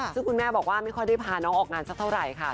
ซึ่งคุณแม่บอกว่าไม่ค่อยได้พาน้องออกงานสักเท่าไหร่ค่ะ